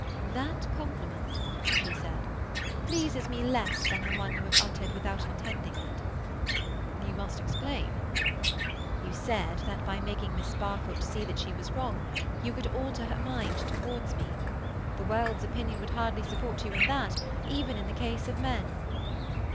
"That compliment," she said, "pleases me less than the one you have uttered without intending it." "You must explain." "You said that by making Miss Barfoot see she was wrong you could alter her mind towards me. The world's opinion would hardly support you in that, even in the case of men."